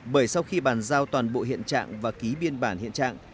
bởi sau khi bàn giao toàn bộ hiện trạng và ký biên bản hiện trạng